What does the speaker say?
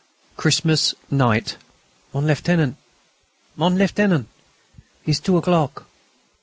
CHRISTMAS NIGHT "Mon Lieutenant mon Lieutenant, it's two o'clock."